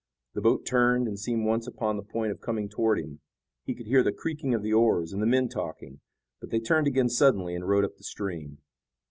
The boat turned, and seemed once upon the point of coming toward him. He could hear the creaking of the oars and the men talking, but they turned again suddenly and rowed up the stream.